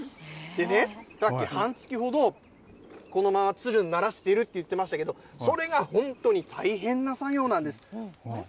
でね、さっきはんつきほど、このままつるにならせていると言ってましたけど、それが本当に、大変な作業なんです。